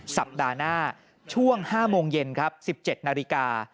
สัปดาห์หน้าช่วง๕โมงเย็นครับ๑๗นาฬิกา